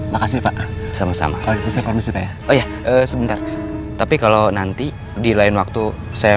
makasih pak sama sama kalau gitu saya kalau misalnya oh ya sebentar tapi kalau nanti di lain waktu saya